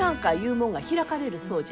もんが開かれるそうじゃ。